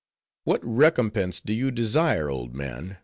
"What recompense do you desire, old man?"